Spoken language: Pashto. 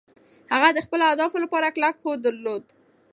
هغه د خپلو اهدافو لپاره کلک هوډ درلود.